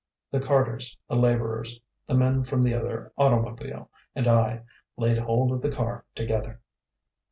The carters, the labourers, the men from the other automobile, and I laid hold of the car together.